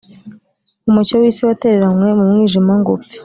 umucyo w'isi watereranywe mu mwijima ngo upfe